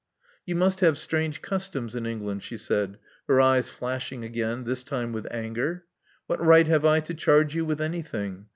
'* You must have strange customs in England," she said, her eyes flashing again, this time with anger. What right have I to charge you with anything?